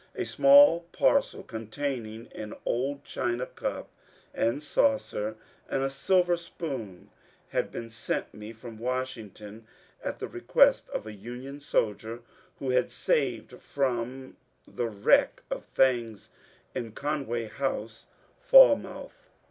A small parcel containing an old china cup and saucer and a silver spoon had been sent me from Washington at the request of a Union soldier who had saved them from the wreck of things in Conway House, Fal mouth.